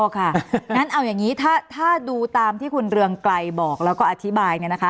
อ้อค่ะงั้นเอาอย่างงี้ถ้าถ้าดูตามที่คุณเรืองไกยบอกแล้วก็อธิบายเนี่ยนะคะ